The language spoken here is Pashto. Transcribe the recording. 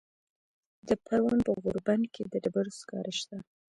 د پروان په غوربند کې د ډبرو سکاره شته.